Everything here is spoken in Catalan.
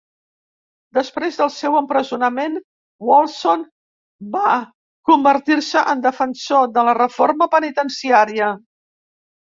Després del seu empresonament, Wolfson va convertir-se en defensor de la reforma penitenciària.